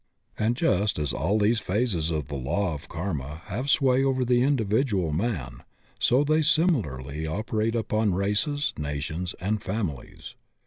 And just as all these phases of the law of karma have sway over the individual man, so they similarly operate upon races, nations and families.